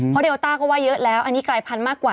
เพราะเดลต้าก็ว่าเยอะแล้วอันนี้กลายพันธุ์มากกว่า